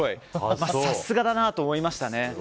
さすがだなと思いましたね。